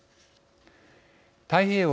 太平洋